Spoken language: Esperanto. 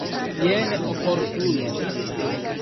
Jen oportuno.